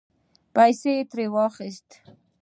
پیسې یې ترې واخستلې